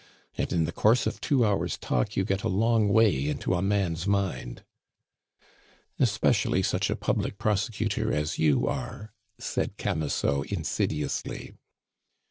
And in the course of two hours' talk you get a long way into a man's mind." "Especially such a public prosecutor as you are," said Camusot insidiously.